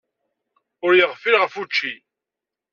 Ur yeɣfil ɣef wučči.